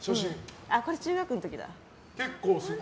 これ、中学の時だ。